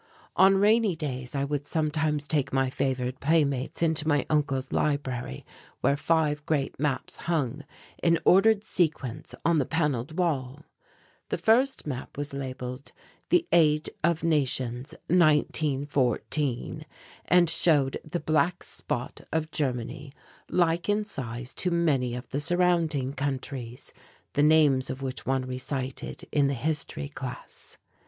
On rainy days I would sometimes take my favoured playmates into my uncle's library where five great maps hung in ordered sequence on the panelled wall. The first map was labelled "The Age of Nations 1914," and showed the black spot of Germany, like in size to many of the surrounding countries, the names of which one recited in the history class.